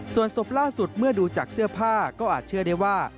ส่วนศพล่าสุดเมื่อดูจากเสื้อผ้าก็อาจเชื่อได้ว่า